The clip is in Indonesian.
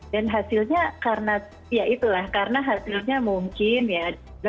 dan hasilnya karena ya itulah karena hasilnya mungkin ya